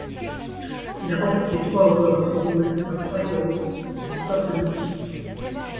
Il a remporté trois World Series Masters Finals en simple messieurs.